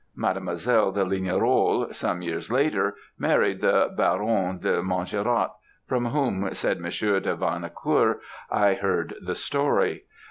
Mademoiselle de Lignerolles, some years later, married the Baron de Montjerac, from whom, said Monsieur de Venacour, I heard the story.